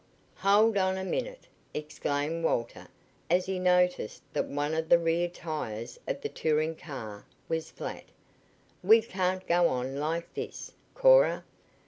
"Hold on a minute," exclaimed Walter as he noticed that one of the rear tires of the touring car was flat. "We can't go on like this, Cora.